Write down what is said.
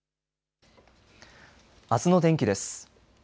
あすの天気です。